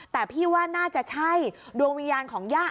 แต่พี่ว่าน่าจะใช่ดวงวิญญาณของญาติ